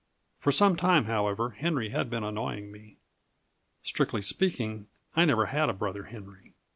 For some time, however, Henry had been annoying me. Strictly speaking, I never had a brother Henry.